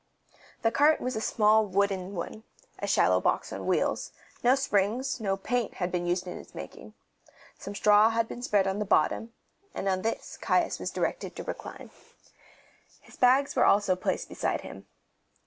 The cart was a small sized wooden one a shallow box on wheels; no springs, no paint, had been used in its making. Some straw had been spread on the bottom, and on this Caius was directed to recline. His bags also were placed beside him.